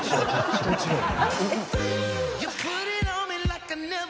人違いだ。